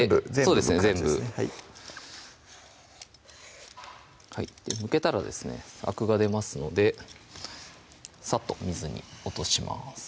そうですね全部むけたらですねアクが出ますのでさっと水に落とします